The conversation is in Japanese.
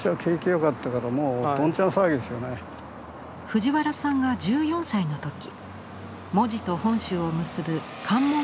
藤原さんが１４歳の時門司と本州を結ぶ関門